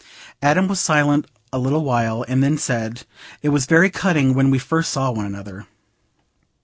Adam was silent a little while, and then said, "It was very cutting when we first saw one another.